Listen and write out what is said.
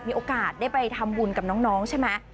มีโอกาสได้ไปทำบุญกับน้องใช่ไหม